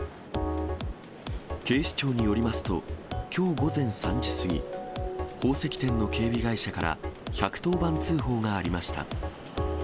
警視庁によりますと、きょう午前３時過ぎ、宝石店の警備会社から１１０番通報がありました。